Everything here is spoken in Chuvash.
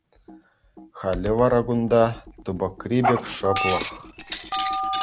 Халӗ вара кунта тупӑкри пек шӑплӑх.